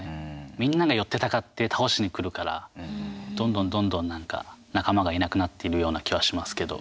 みんなが寄ってたかって倒しに来るからどんどんどんどん、なんか仲間がいなくなっているような気はしますけど。